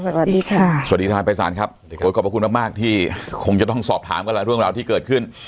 สวัสดีครับสวัสดีครับใบสารครับโดยขอบคุณมากมายที่คงจะต้องสอบถามกระดาษเรื่องราวที่เกิดขึ้น